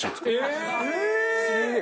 すげえ。